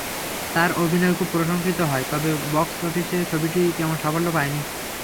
তাঁর অভিনয় খুব প্রশংসিত হয়, তবে বক্সঅফিসে ছবিটি তেমন সাফল্য পায়নি।